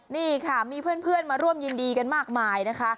นี่ค่ะมีเพื่อนมาร่วมยินดีกันมากมายนะคะ